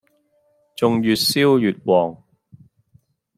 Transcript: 仲越燒越旺